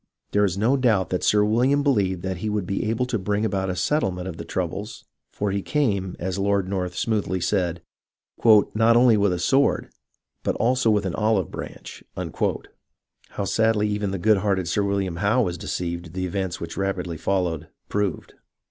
There is no doubt that Sir William believed that he would be able to bring about a settlement of the troubles, for he came, as Lord North smoothly said, " not only with a sword, but 38 HISTORY OF THE AMERICAN REVOLUTION also with an olive branch." How sadly even the good hearted Sir William Howe was deceived the events which rapidly followed, proved.